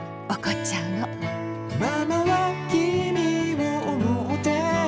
「ママはきみを思ってる」